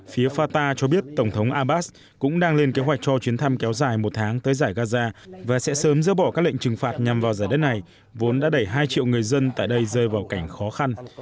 phía fatah cho biết tổng thống abbas cũng đang lên kế hoạch cho chuyến thăm kéo dài một tháng tới giải gaza và sẽ sớm dỡ bỏ các lệnh trừng phạt nhằm vào giải đất này vốn đã đẩy hai triệu người dân tại đây rơi vào cảnh khó khăn